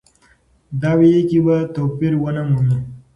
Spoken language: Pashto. دا وییکې به توپیر ونه مومي.